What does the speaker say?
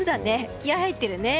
気合入ってるね。